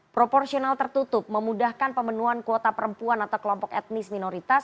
proporsional tertutup memudahkan pemenuhan kuota perempuan atau kelompok etnis minoritas